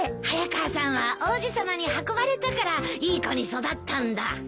早川さんは王子さまに運ばれたからいい子に育ったんだ。